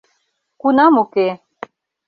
Кунам уке.